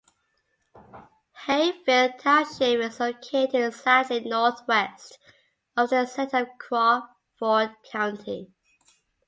Hayfield Township is located slightly northwest of the center of Crawford County.